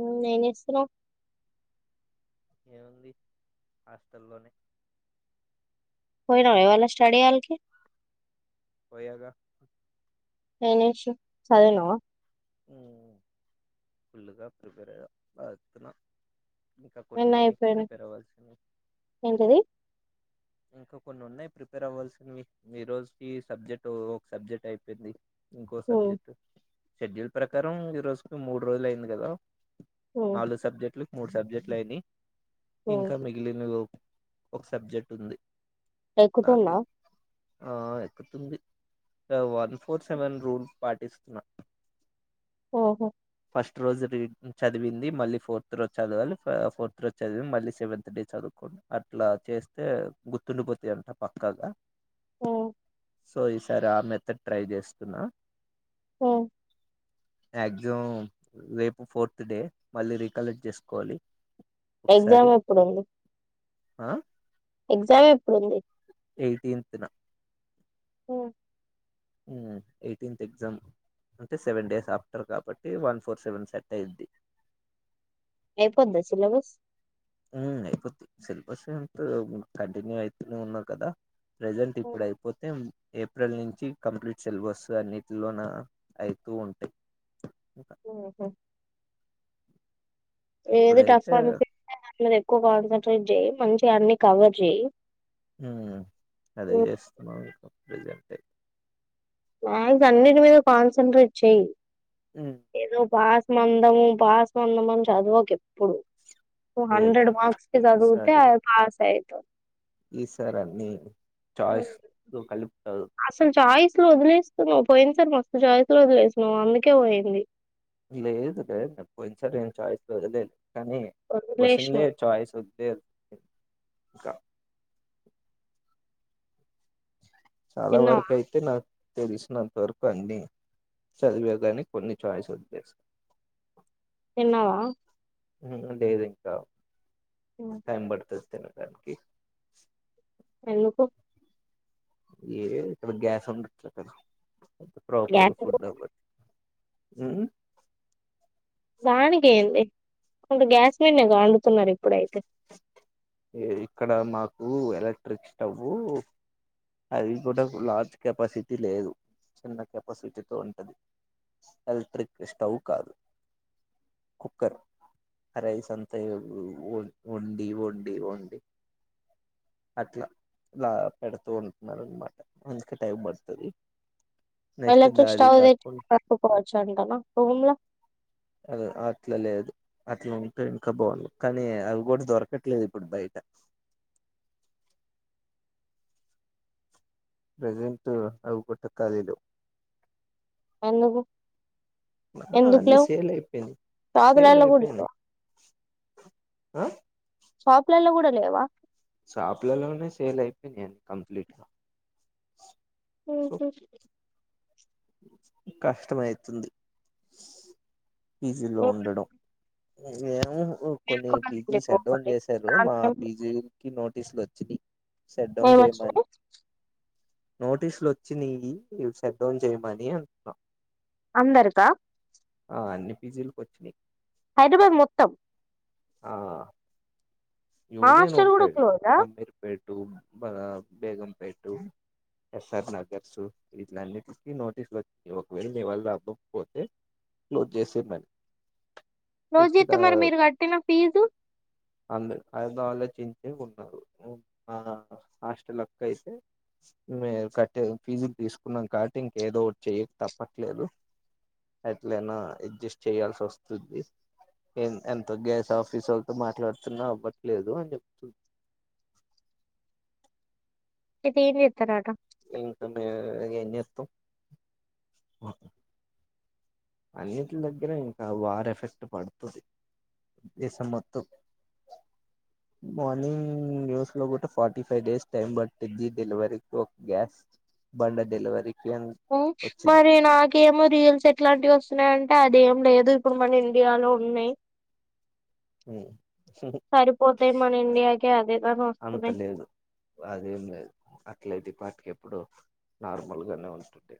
మ్మ్ ఏం చేస్తున్నావ్ ఏముంది హాస్టల్లోనే పోయినావ ఇవాల స్టడీ హాలకి పోయగా ఏం చేసినవ్ చదివినవా మ్మ్ ఫుల్లుగా ప్రిపేర్ అయ్యా పత్ర ఇంకా కొన్ని నిన్న ఉన్నాయి అయిపోయిన ప్రిపేర్ అవ్వాల్సినివి ఏంటిది ఇంకా కొన్ని ఉన్నాయి ప్రిపేర్ అవ్వాల్సినవి ఈ రోజుకి సబ్జెక్ట్ ఒక సబ్జెక్ట్ అయిపోయింది ఇంకో హ్మ్ సబ్జెక్ట్ షెడ్యూల్ ప్రకారం ఈ రోజుకు మూడు రోజులు అయింది కదా హ్మ్ నాలుగు సబ్జెక్ట్లు మూడు సబ్జెక్టులు అయిని హ్మ్ ఇంకా మిగిలిన ఒక సబ్జెక్ట్ ఉంది నాకు తె ఎక్కుతున్నా ఆ ఎక్కుతుంది వన్ ఫోర్ సెవెన్ రూల్ పాటిస్తున్నా ఓహో ఫస్ట్ రోజు రీ చదివింది మళ్ళీ ఫోర్త్ రోజు చదవాలి ఫోర్త్ రోజు చదివి మళ్ళీ సెవెంతత్ డే చదువుకోండి అట్లా చేస్తే గుర్తుండిపోతుందింట పక్కగా ఓ సో ఈ సారి ఆ మెథడ్ ట్రై చేస్తున్నా హ అ ం రేపు ఫోర్త్ డే మళ్ళీ రీికలెక్ట్ చేసుకోవాలి ఒకసారి ఎగ్జామ్ ఎప్పుడుంది ఆ ఎగ్జామ్ ఎప్పుడుంది ఎయిటీన్త్న హ ఎయిటీన్త్ ఎగ్జామ్ అంటే సెవెన్ డేస్ ఆఫ్టర్ కాబట్టి వన్ ఫోర్ సెవెన్ సెట్ అయింది ఏ పద్ద్దచ్చల బస్ అయిపోద్ సిలబస్ ఎంతో కంటిన్యూ అయితనే ఉన్నావు కదా ప్రజెంట్ హ్మ్ ఇప్పుడు అయిపోతే ఏప్రిల్ నుంచి కంప్లీట్ సిలబస్ అన్నిటిలోన అవుతూ ఉంటాయి ఇంకా హ ఏది టఫ్ ఇప్పుడైతే అనిపిస్తే దని మీద ఎక్కువ కాన్సన్ట్రేట్ చె్య మంచి అన్ని కవర్ చేయయి అదే చేస్తున్నాం రజ మాస్ అన్నింటి మీద కన్సెన్్రేట్ చే్య హ్మ్ ఏదో బ మందము పాస్ మందంని చదువుక ఎప్పుడు ఓ లేదు హండ్రెడ్ లేదు మార్క్స్ క చదుగుతే పాస్ యితే ఈ సార్ అన్ని హ్మ్ చాయిస్ కలిపు అసలు చాయిస్ లో వదులే స్తున్నావు పోయింది సర మస్తు జాయిితిలోదిలేసన్నా్ అందుకే పోయింది లేదు లేదు పోయి సర చయిస్ లేదుదు కానీ క్వచన్ లే వదిలేసినావు చాయిస్ వది ఇంకా చాలా తిన్నావా వరకు అయితే నాకు తెలిసినంత వరకు అన్నిీ చదివేగాని కొన్ని చఛాయిస్ వద్దేశం తిన్నావా లేదు ఇంకా ఉమ్. కైమ్ పడుతు తెను త్యాక ఎందుకు ఏ ఇక్కడ గ్యాస్ ఉండట్లే కదా ప్రాపర్గా గ్యాస్ ఫుడ్ అవ్వద్దు అ దానికి ఏంది గ్యాస్ మీన్గా వండుతున్నారు ఇప్పుడైతే ఇక్కడ మాకు ఎలక్ట్రిక్ స్టవ్ అది కూడా లార్జ్ కెపాసిటీ లేదు చిన్న కెపాసిటీతో ఉంటది ఎలక్ట్రిక్ స్టవ్ కాదు కుక్కర్ రైస్ అంతా వండి వండి అట్లా పెడుతూ ఉంటున్నారు అనమాట అందుకే టైం పడుతుంది ఇలక్ట్రక్ స్టవ్ పెట్టుకోవచ్చు అంటానా రూమ్ లో అ అట్లా లేదు అట్లా ఉంటే ఇంకా బాగుండు కానీ అవి కూడా దొరకట్లేదు ఇపుడు బయట ప్రెజెంట్ అవు కూడాట్ట కాలీ లేవు ఎందుకు ఆ ఎందుకు అన్ని లేవు సేల్ అయిపోయింది సేల్ షాపులలో కూడా అయిపోయింది లేవా ఆ షాప్లలో కూడా లేవా షాపులోని సేల్ అయిపోయినాయి అంట కంప్లీట్ గా హ కష్టమవుతుంది పి జి లో ఉండడం ఏమో కొన్ని పీజీలు షెట్ డౌన్ చేశారు మా పీజీ కి నోట్ తీసుకొచ్చిది సెట్ డౌన్ చేయమని నోటీసులు వచ్చినయి సట్ డౌన్ జయమనీ అంట అందారుకా ఆ అన్ని పీజీలుకి వచ్చినయి హైదరాబాద్ మొత్తం ఆ మా యూనియన్ హాస్టల్ కూడా ఉంటాడు క్లోజా అమీర్పేట బేగంపేట్ ఎస్ఆర్ నగర్స్ ఇట్లన్ని నోటీసులు వచ్చియి ఒకవేళ మీ వాల్ళ రాకొక పోతే క్లోజ్ చేసి మని రోజ అతే మరి మీరు కట్టిన ఫీజు అంద అ ఆలోచించి ఉన్నారు మా హాస్టల్కి అయితే మేము కట్టే ఫీజులు తీసుకున్నాం కాట్ ఇంక ఏదో ఒక చేయక తప్పట్లేదు ఎట్లనా అడ్జస్ట్ చేయాల్సి వస్తుంది ఎంత గ్యాస్ ఆఫీస్ వాళ్ళతో మాట్లాడుతున్నా అవ్వట్లేదు అని చెప్తుంది అయితే ఏం చేస్తారట ఇంకా ఏం చేస్తాం అన్నింటి దగ్గర ఇంకా వార్ ఎఫెక్ట్ పడుతుంది దేశం మొత్తం మార్నింగ్ న్యూస్ లో కూడా ఫార్టీ ఫైవ్ డేస్ టైం పట్టిది డెలివరీ ఒక గ్యాస్ బండ డెలివరీ మరి నాకు ఏమో రియల్స్ ఎట్లాంటివి వస్తున్నాయ అంటే ఆడేం లేదు ఇప్పుడు మన ఇండియాలో ఉన్నాయి ఉ సరిపోతాయి మన ఇండియాకే అదేదని అంత వస్తుంది లేదు అదేం లేదు అట్లయితే ఈ పాటికి ఎప్పుడు నార్మల్ గానే ఉంటుండే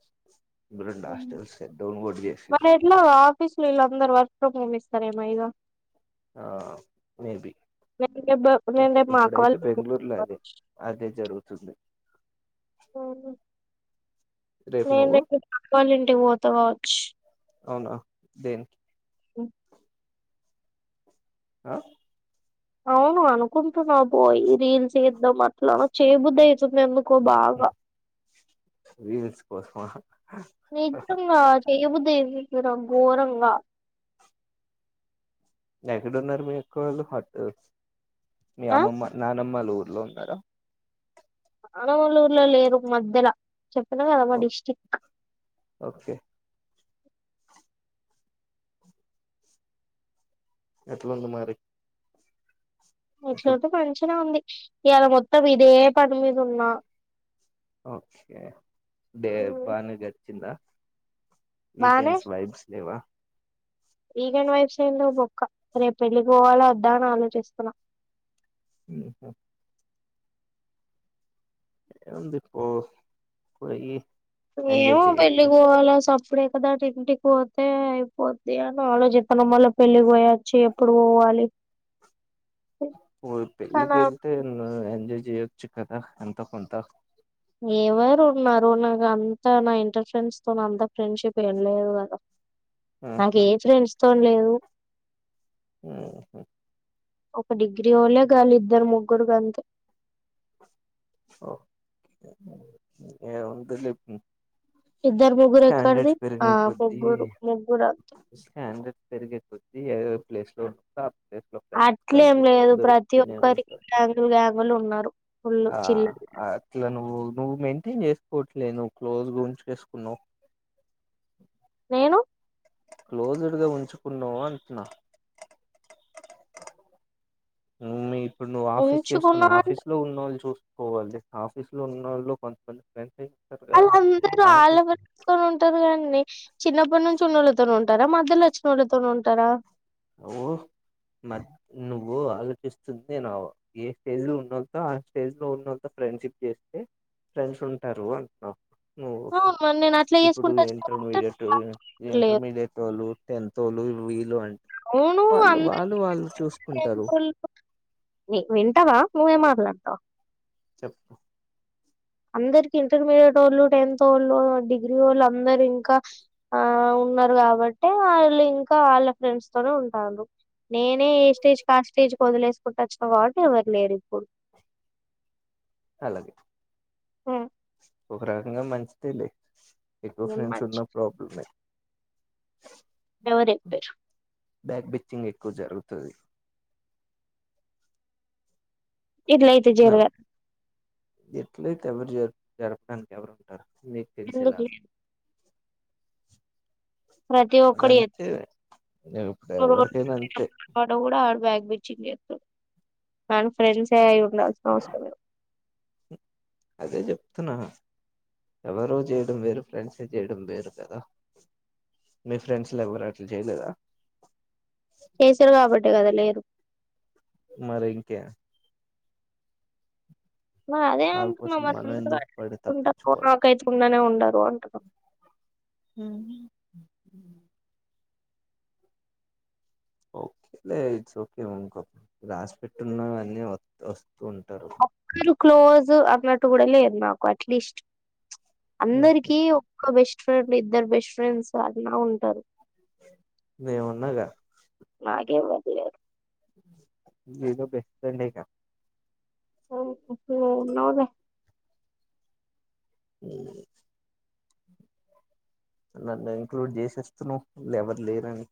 రెండు హాస్టల్స్ డౌన్ కూడా మరి చేసిర్రు ఎట్లా ఆఫిస్ లో అందరు వర్క్ ఫ్రమ్ హోమె సరేమ ఇగా ఆ మేబి నేను రేపు నేను ఇప్పు రేపు మా అక్క వాళ్ళ ఇప్పుడైతే ఇంటికి బెంగళూరులో పోతా. అదే అదే జరుగుతుంది. అవును రేపు నేను నువ్వు అయితే అక్క వాళ్ళ ఇంటికి పోతకావచ్చు అవునా దేనికి ఉ ఆ అవును అనుకుంటున్నా పోయి రీల్స్ చేద్దాం. అట్లా చేబుద్ది అయి వీల్స్ కోసమా హ హ దివికురగోరంగా నెక్కడు ఉన్నారు మీ అక్కవాళ్ళు హట్ మీ ఆ అమ్మమ్మ నానమ్ వాళ్ళ ఊర్లో ఉన్నారా అ వాళ్ళ ఊర్లో లేరు మధ్యల చెట్ తెలంగాణ మ డిస్టిక్ట్ ఓకే ఎట్లుంది మారి ఎట్లు ఉంటది మంచిగ ఉంది ఇయాల మొత్తం ఇదే పని మీద ఉన్నా ఓకే డే బానే చచ్చిందా బానే వీకెండ్స్ వైబ్స్ లేవా వీకెండ్ వైబ్స్ ఏం లేవు బొక్క రేప్ పెళ్ళికి పోవాల వద్దా అని ఆలోచిస్తున్నా. ఉహు ఉంది పో పోయి ఎంజాయ్ ఏమో చేయొచ్చు పెళ్ళికి పోవాల సప్ప్ ఇప్పుడే కదా ఇంటికి పోతే అయిపోద్ది. అని ఆలోచితన మళ్ళ పెళ్లికి పోయచ్చి ఎప్పుడు పోవాలి. పో కానీ పెళ్లికెళ్తే ఎంజాయ్ చేయొచ్చు కదా ఎంతో కొంత ఎవరు ఉన్నారు. నాకు అంత నా ఇంటర్ ఫ్రెండ్స్ తో అంత ఫ్రెండ్ షిప్ ఏం లేదు కదా. నాకే ఫ్రెండ్స్ ఫోన్ లేదు మ్ హు ఒక డిగ్రీ ఓల్లె గాల్లిద్దర్ ముగ్గురు గంతే ఓకే ఏముంటుంది ఇపు ఇద్దరు ముగ్గురు ఎక్కడిది ఆ కొద్దీ ముగ్గురు ముగ్గురు అంతె ఇయ ప్లే స్టోర్ ఉంటే యాప్ అట్లేం లేదు ప్రతి ఒక్కరికి ఉంటారు గ్యాంగుల్ గ్యాంగుల్ ఉన్నారు ఫుల్ళు ఆ అట్ల నువ్వు నువ్ మెంటీ చేసుకోట్లేను ను్వ్ క్లోజ్గుంచేస్కున్నవ్ నేను క్లోజ్డ్ గా ఉంచుకున్నవ్ అంటున్నా ఉమ్ మీ ఇప్పుడు నువ్వు ఆఫీస్ ఉంచుకున్నా చేస్తున్నవ్ అంటే ఆఫీస్ లో ఉన్నళ్ళ్ చూస్త్ పోవాల్ ఆఫీస్ లో ఉన్నోళ్ళు కొంత కొ ఫ్రెండ్స్ అ వాళ్ళందరూ ఆలపరిుకొని ఉంటరు కాండి చిన్నప్పటి నుంచి ఉన్నోలతోన్ రా మధ్యలో వచ్చినోళ్ళతోన్ ఉంటరా ఓ మ నువ్వు ఆలోచిస్తుంది నావ ఏ స్టేజ్ లో ఉన్నళ్తో ఆ స్టేజ్ లో ఉన్నళ్ళతో ఫ్రెండ్షిప్ చేస్తే ఫ్రెండ్స్ ఉంటారూ అంటున్న నువ్వు అవును మరి నేను అట్లా ఇప్పుడు చేసుకుంటా వచ్చిన ఇంటర్మీడియట్ లేదు ఇంటర్మీడియట్ వాళ్ళు టెన్ తోలు వీలు అంట్ అవును అంద చూసుకుంటారు [unintelligible] వింటవా నువ్వే మాట్లాడ్తవ చెప్పు అందరికి ఇంటర్మీడియట్ వాళ్ళు టెన్త్ వాళ్ళు డిగ్రీ వాళ్ళు అందరుూ ఇంకా ఆ ఉన్నారు కాబట్టి వాళ్ళు ఇంకా వాళ్ళ ఫ్రెండ్స్ తోనే ఉంటారు నేనే ఏ స్టేజ్ ఆ స్టేజ్ క వదిలేసుకుంట వచ్చిన కాబట్టి ఎవరు లేరు ఇప్పుడు లాగే ఉమ్ ఒక రకంగా మంచి తెలి ఎక్కువ ఏం ఫ్రెండ్స్ ఉన్న మంచి ప్రాబ్లమె ఎవరు ఎ పరు బ్యాక్ బిచింగ్ ఎక్కువ జరుగుతుంది ఇట్లయితే జీరగా ఎట్లయితే ఎవరు జ జరపడానికి ఎవరు ఉంటారు నకె తెల్సలా ఎందుకు ప్రతి ఒక్కడి అదంతే నేను ఇప్పుడు ఎతుట ఎవరికైనా అంతే కూడా ఆడా బ్యాక్ [unintelligible] వాలా ఫ్రెండ్స్ సే ఉండల్సినా అవసరము లేధు అదే చెప్తున్నా ఎవరు చేయడం వేరు ఫ్రెండ్స్ ఏ చేయడం వేరు కదా మీ ఫ్రెండ్స్ లో ఎవరు అట్లు చేయలేదా చేశారు కాబట్టి కదా లేదు మరి ఇంకే మరి అదే వాళ్ళ అంటున్నాం కోసం మరి మనం ఎందుకు పడి అంద తప్పించుకోవడం నాక అతుకుండానే ఉ టారు అంటునా ఉమ్ ఓకేలే ఇట్స్ ఓకే ఇంకో రాసి పెట్టున్నా అన్నీ వ వస్థ అప్ప క్లోజ అన్నట్టు కూడా లేద్ మాకు అట్లీస్ట్ అందరికి ఒక్క బెస్ట్ ఫ్రెండ్ ఇద్దరు బెస్ట్ ఫ్రెండ్స్ అన్నా ఉంటారు నేమున్నాగా నాకెవరు లేరు నేను బెస్ట్ ఫ్రెండ్ గా ఓహో నువ్వున్నావులే నన్ను ఇంక్లూడ్ చేసేస్తున్నావ్ ఎవరు లేరని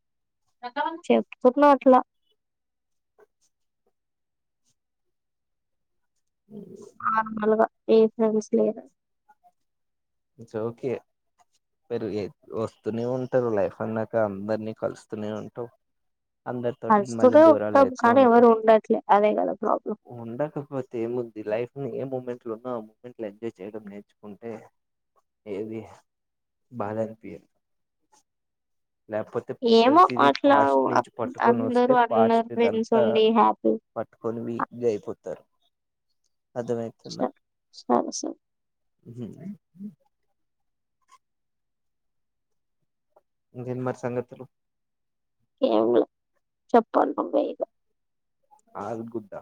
చెప్తున్నా అట్లా ఆ నలుగా ఏ ఫ్రెండ్స్ లేరు ఇట్స్ ఓకే మరి వస్తూనే ఉంటారు లైఫ్ అన్నాక అందరినీ కలుస్తూనే ఉంటావు అందరి తోటి మళ్ళీ కలుస్తూనే దూరాలు ఉంటాం అవుతూ కానీ ఉంటాం ఎవరు ఉండట్లే అదే కదా ప్రాబ్లం ఉండకపోతే ఏముంది లైఫ్ ఏ మూమెంట్లు ఉన్నా ఆ మూమెంట్ల ఎంజాయ్ చేయడం నేర్చుకుంటే ఏది బాలే అనిపియ్యదు లేకపోతే ఏమో ప్రతిదీ అట్లా పాస్ట్ అ- నుంచి పట్టుకొని వస్తే అందరూ అందరు పాస్ట్ ఫ్రెండ్స్ దంతా ఉండి హ్యాపీ పట్టుకొని వి ఇదయిపో దరు సరే సరే ఇంకేంటి ఇఒకేంటి మరి సంగతులు కేం లే చెప్పలి నువ్వే ఇగా ఆల్ గుడ్ ఆ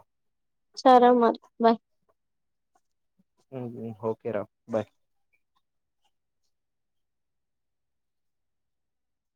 సరే మరి బాయ్ ఉ హు ఓకే రా బాయ్